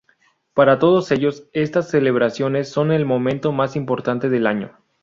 Para todos ellos, estas celebraciones son el momento más importante del año.